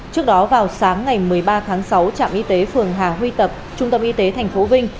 trước đó vào sáng ngày một mươi ba tháng sáu trạm y tế phường hà huy tập trung tâm y tế tp vinh